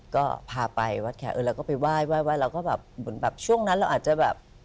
ก็พาไปวัดแขกแล้วก็ไปไหว้แล้วก็แบบช่วงนั้นเราอาจจะแบบ